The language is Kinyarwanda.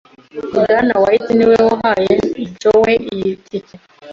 Bwana White niwe wahaye Joe iyi tike.